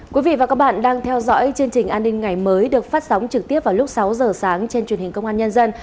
quý vị và các bạn đang theo dõi chương trình an ninh ngày mới được phát sóng trực tiếp vào lúc sáu giờ sáng trên truyền hình công an nhân dân